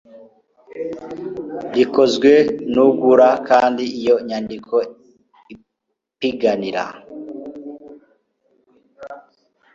rikozwe n ugura kandi iyo nyandiko ipiganira